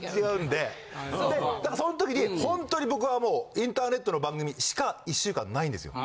でそん時にほんとに僕はもうインターネットの番組しか１週間ないんですよ